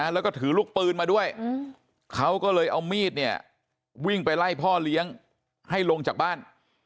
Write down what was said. แล้วก็ถือลูกปืนมาด้วยเขาก็เลยเอามีดเนี่ยวิ่งไปไล่พ่อเลี้ยงให้ลงจากบ้าน